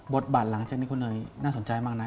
บทบาทหลังจากนี้คุณเนยน่าสนใจมากนะ